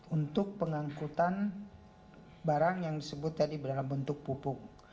untuk pengangkutan barang yang disebut tadi berbentuk pupuk